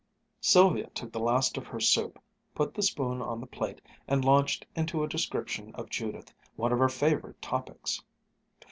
Sylvia took the last of her soup, put the spoon on the plate, and launched into a description of Judith, one of her favorite topics.